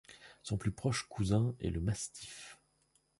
Son plus proche cousin est le mastiff.